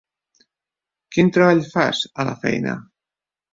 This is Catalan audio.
Quin treball fas, a la feina?